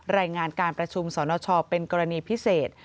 รายงานการประชุมสนชเป็นกรณีพิเศษ